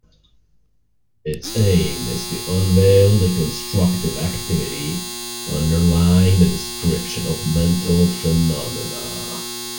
Its aim is to unveil the constructive activity underlying the description of mental phenomena.